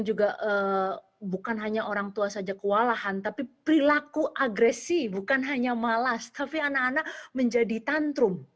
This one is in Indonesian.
juga bukan hanya orang tua saja kewalahan tapi perilaku agresi bukan hanya malas tapi anak anak menjadi tantrum